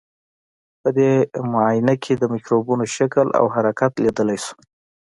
په دې معاینه کې د مکروبونو شکل او حرکت لیدلای شو.